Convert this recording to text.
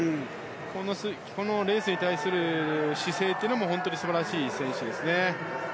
このレースに対する姿勢というのも本当に素晴らしい選手ですよね。